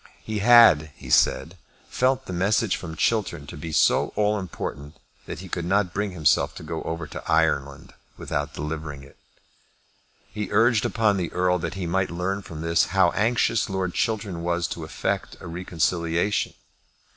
He had, he said, felt the message from Chiltern to be so all important that he could not bring himself to go over to Ireland without delivering it. He urged upon the Earl that he might learn from this how anxious Lord Chiltern was to effect a reconciliation.